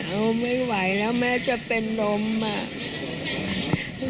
เอาไม่ไหวแล้วแม่จะเป็นลมอ่ะ